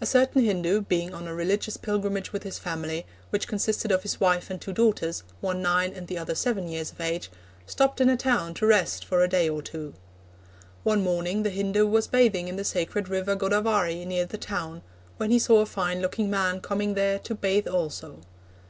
A certain Hindu, being on a religious pilgrimage with his family, which consisted of his wife and two daughters, one nine and the other seven years of age, stopped in a town to rest for a day or two. One morning the Hindu was bathing in the sacred river Godavari, near the town, when he saw a fine looking man coming there to bathe also.